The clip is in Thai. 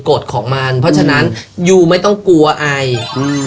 กฎของมันเพราะฉะนั้นยูไม่ต้องกลัวไออืม